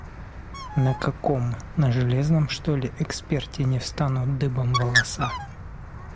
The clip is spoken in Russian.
На каком — на железном, что ли, эксперте не встанут дыбом волоса?